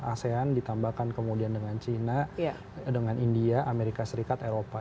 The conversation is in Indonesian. asean ditambahkan kemudian dengan china dengan india amerika serikat eropa